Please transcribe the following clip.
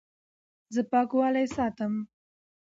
زه پاکوالی ساتم.